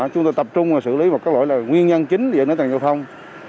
chúng tôi tập trung vào xử lý các lỗi nguyên nhân chính dẫn đến tài năng giao thông